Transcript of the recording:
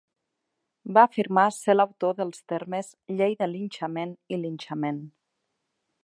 Va afirmar ser l'autor dels termes "llei de linxament" i "linxament".